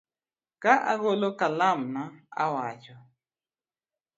Ka agolo kalamna, awacho